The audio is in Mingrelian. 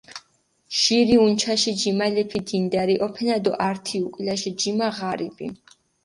ჟირი უნჩაში ჯიმალეფი დინდარი ჸოფენა დო ართი უკულაში ჯიმა ღარიბი.